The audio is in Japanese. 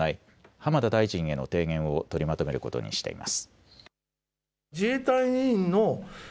浜田大臣への提言を取りまとめることにしています。